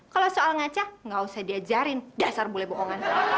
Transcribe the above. kalau soal ngaca nggak usah diajarin dasar bule bohongan